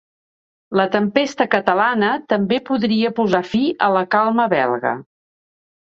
La tempesta catalana també podria posar fi a la calma belga.